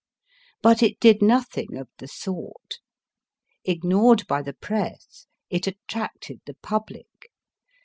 But it did nothing of the sort. Ignored by the Press, it attracted the public.